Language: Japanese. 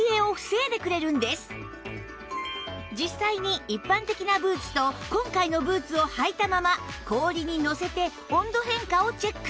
実際に一般的なブーツと今回のブーツを履いたまま氷にのせて温度変化をチェック